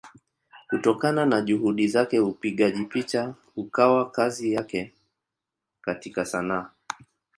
Kutokana na Juhudi zake upigaji picha ukawa kazi yake katika Sanaa.